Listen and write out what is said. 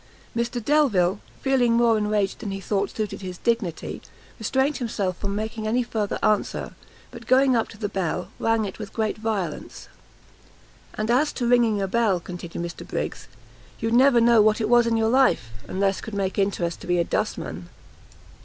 Mr Delvile, feeling more enraged than he thought suited his dignity, restrained himself from making any further answer, but going up to the bell, rang it with great violence. "And as to ringing a bell," continued Mr Briggs, "you'd never know what it was in your life, unless could make interest to be a dust man."